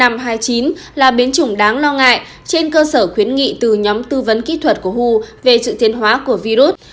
b một một năm trăm hai mươi bốn là biến chủng đáng lo ngại trên cơ sở khuyến nghị từ nhóm tư vấn kỹ thuật của who về sự thiên hóa của virus